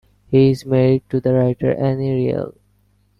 He is married to the writer Ane Riel.